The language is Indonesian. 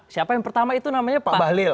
siapa yang pertama itu namanya pak bahlil